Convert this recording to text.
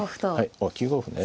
おっ９五歩ね。